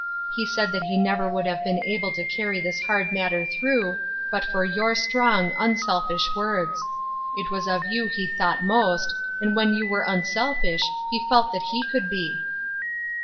He said that he never would have been able to carry this hard matter through but for your strong, unselfish words. It was of you he thought most, and when you were unselfish he felt that he could be."